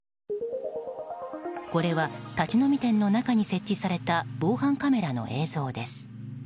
これは立ち飲み店の中に設置された防犯カメラの映像です。